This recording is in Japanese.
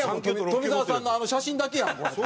富澤さんのあの写真だけやん。